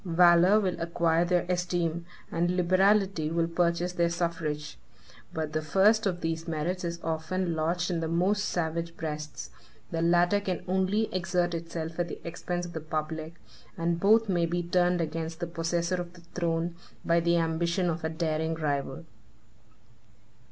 Valor will acquire their esteem, and liberality will purchase their suffrage; but the first of these merits is often lodged in the most savage breasts; the latter can only exert itself at the expense of the public; and both may be turned against the possessor of the throne, by the ambition of a daring rival.